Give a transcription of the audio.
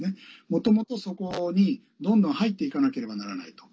もともと、そこに、どんどん入っていかなければならないと。